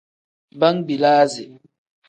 Bangbilasi.